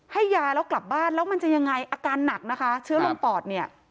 ให้ยาแล้วกลับบ้านแล้วมันจะยังไงอาการหนักนะคะเชื้อลงปอดเนี่ย